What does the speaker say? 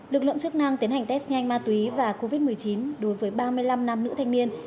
lực lượng chức năng tiến hành test nhanh ma túy và covid một mươi chín đối với ba mươi năm nam nữ thanh niên